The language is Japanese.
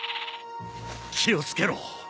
気を付けろ。